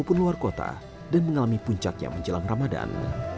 jika pun luar kota dan mengalami puncak yang menjelang ramadhan